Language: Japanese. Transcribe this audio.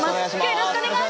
よろしくお願いします。